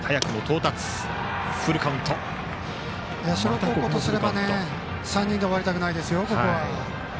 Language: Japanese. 社高校とすれば３人で終わりたくないですよ。